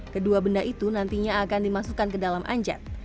kedua benda itu nantinya akan dimasukkan ke dalam anjat